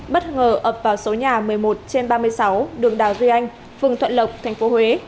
bất ngờ ập vào số nhà một mươi một trên ba mươi sáu đường đào duy anh phường thuận lộc tp huế